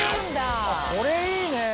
これいいね。